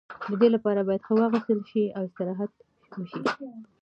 د دې لپاره باید ښه واغوستل شي او استراحت وشي.